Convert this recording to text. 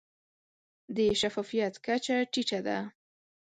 د شفافیت کچه ټیټه ده.